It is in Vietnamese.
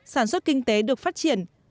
sản xuất kinh tế được phát triển